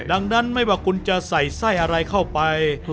ดังนั้นไม่ว่าคุณจะใส่ไส้อะไรเข้าไป